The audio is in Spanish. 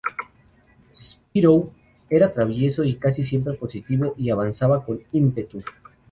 Spirou era travieso y casi siempre positivo, y avanzaba con ímpetu.